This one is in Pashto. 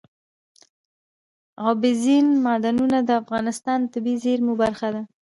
اوبزین معدنونه د افغانستان د طبیعي زیرمو برخه ده.